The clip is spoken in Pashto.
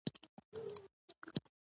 اوح خدايه د پيسو خبره نده.